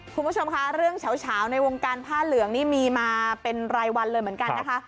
คุณผู้ชมคะเรื่องเฉาในวงการผ้าเหลืองนี่มีมาเป็นรายวันเลยเหมือนกันนะคะ